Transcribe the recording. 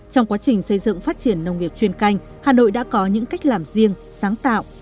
trong quá trình xây dựng phát triển nông nghiệp chuyên canh hà nội đã có những cách làm riêng sáng tạo